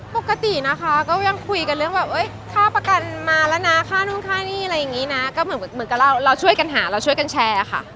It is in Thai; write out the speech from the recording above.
ปกตินะคะก็ยังคุยกันเรื่องแบบค่าประกันมาแล้วนะค่านู่นค่านี่อะไรอย่างนี้นะก็เหมือนกับเราเราช่วยกันหาเราช่วยกันแชร์ค่ะ